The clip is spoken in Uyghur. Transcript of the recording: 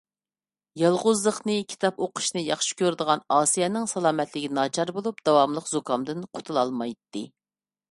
يالغۇزلۇقنى، كىتاب ئوقۇشنى ياخشى كۆرىدىغان ئاسىيەنىڭ سالامەتلىكى ناچار بولۇپ، داۋاملىق زۇكامدىن قۇتۇلالمايتتى.